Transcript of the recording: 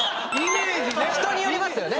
人によりますよね。